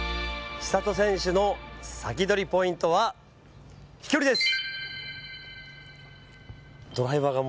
千怜選手のサキドリポイントは飛距離です。